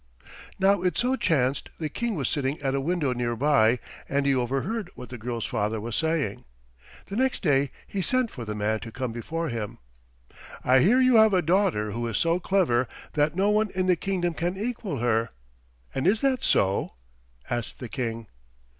Now it so chanced the King was sitting at a window near by, and he overheard what the girl's father was saying. The next day he sent for the man to come before him. "I hear you have a daughter who is so clever that no one in the kingdom can equal her; and is that so?" asked the King.